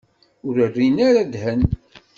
Ur rrin ara ddhen.